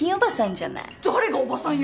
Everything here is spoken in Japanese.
誰がおばさんよ！